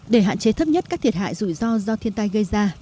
để hạn chế thấp nhất các thiệt hại rủi ro do thiên tai gây ra